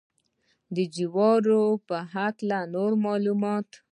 د جوارو په هکله نور معلومات.